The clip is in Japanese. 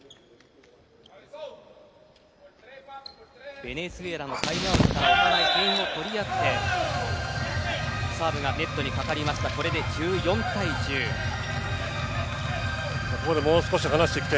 ベネズエラのタイムアウトからお互い点を取り合ってサーブがネットにかかりました。